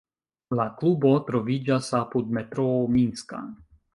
La klubo troviĝas apud metroo Minska.